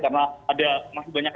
karena ada masih banyak